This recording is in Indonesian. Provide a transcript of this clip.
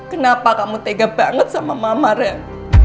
kenapa kamu tega banget sama mama ren